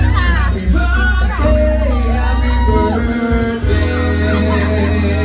เทสปีให้ช่วย